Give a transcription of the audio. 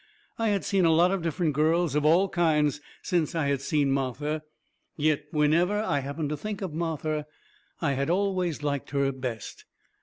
I had seen a lot of different girls of all kinds since I had seen Martha. Yet, whenever I happened to think of Martha, I had always liked her best.